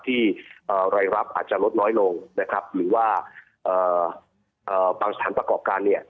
ที่รายรับอาจจะลดน้อยลงนะครับหรือว่าบางสถานประกอบการเนี่ย